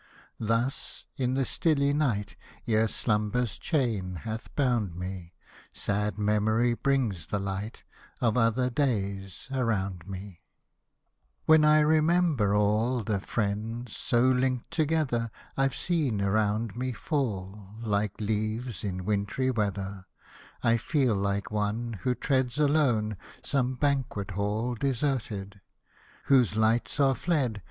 Thus, in the stilly night, Ere Slumber's chain hath bound me, Sad Memory^ brings the light Of other days around me. 47 Hosted by Google 48 NATIONAL AIRS When I remember all The friends, so linked together, I've seen around me fall, Like leaves in wintry weather ; I feel like one. Who treads alone Some banquet hall deserted, Whose lights are fled.